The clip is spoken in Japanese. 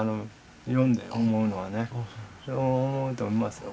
読んで思うのはね。と思いますよ。